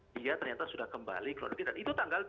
dia ternyata sudah kembali kalau tidak itu tanggal dua puluh dua